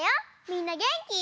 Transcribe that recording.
みんなげんき？